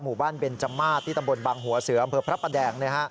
หมู่บ้านเบนจัมม่าติตรบรบางหัวเสืออำพรประปดแดง